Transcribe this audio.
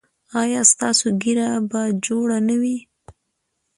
ایا ستاسو ږیره به جوړه نه وي؟